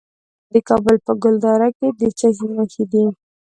د کابل په ګلدره کې د څه شي نښې دي؟